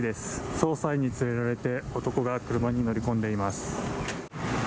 捜査員に連れられて男が車に乗り込んでいます。